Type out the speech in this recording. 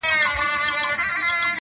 د دروازې په ځینځیر ځان مشغولوینه!!